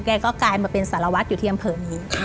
แกก็กลายมาเป็นสารวัตรอยู่ที่อำเภอนี้